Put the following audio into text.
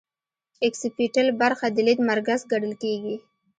اکسیپیټل برخه د لید مرکز ګڼل کیږي